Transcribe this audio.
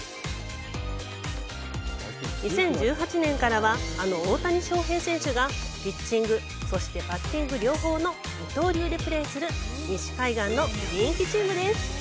２０１８年からは、あの大谷選手がピッチング、そしてバッティング両方の二刀流でプレーする西海岸の人気チームです。